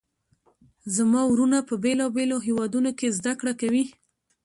زما وروڼه په بیلابیلو هیوادونو کې زده کړه کوي